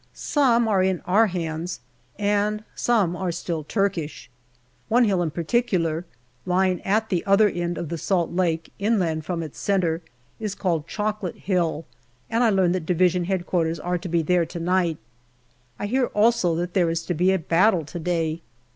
Some are in our hands, and some are still Turkish. One hill in particular, lying at the other end of the Salt Lake, inland from its centre, is called Chocolate Hill, and I learn D.H.Q. are to be there to night. I hear also that there is to be a battle to day.